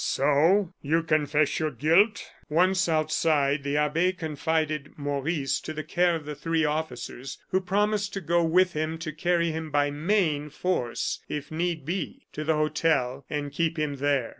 "So you confess your guilt?" Once outside, the abbe confided Maurice to the care of three officers, who promised to go with him, to carry him by main force, if need be, to the hotel, and keep him there.